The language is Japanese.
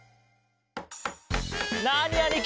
ナーニあにき。